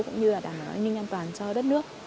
cũng như là đảm bảo an ninh an toàn cho đất nước